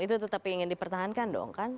itu tetap ingin dipertahankan dong kan